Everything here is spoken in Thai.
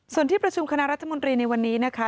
ส่วนที่ประชุมคณะรัฐมนตรีในวันนี้นะคะ